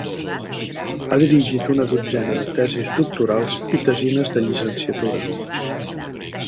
Ha dirigit una dotzena de tesis doctorals i tesines de llicenciatura.